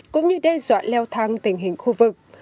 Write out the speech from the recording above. cũng như đe dọa leo thang tình hình khu vực